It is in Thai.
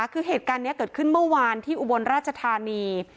คือเหตุการณ์นี้เกิดขึ้นเมื่อวานที่อุบลราชธานี